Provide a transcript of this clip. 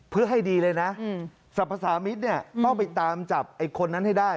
เพื่อให้ดีเลยนะสรรพสามิตรเนี่ยต้องไปตามจับไอ้คนนั้นให้ได้